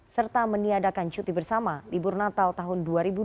serta meniadakan cuti bersama libur natal tahun dua ribu dua puluh